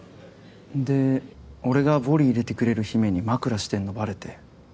で俺がヴォリ入れてくれる姫に枕してんのバレて。